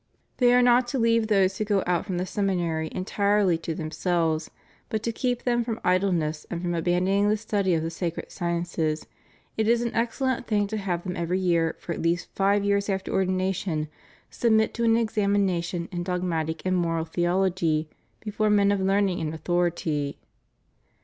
They are not to 550 THE CHURCH IN THE PHILIPPINES. leave those who go out from the seminary entirely to themselves; but to keep them from idleness and from abandoning the study of the sacred sciences, it is an ex cellent thing to have them every year for at least five years after ordination submit to an examination in dog matic and moral theology before men of learning and au thority.